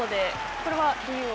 これは理由は。